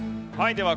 では